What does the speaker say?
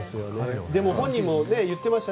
本人も言っていました。